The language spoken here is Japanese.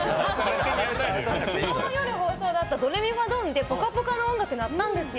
夜放送だった「ドレミファドン！」で「ぽかぽか」の音楽鳴ったんですよ。